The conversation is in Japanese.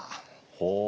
ほう。